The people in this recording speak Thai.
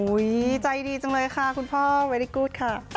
อุ๊ยใจดีจังเลยค่ะคุณพ่อดีมากค่ะ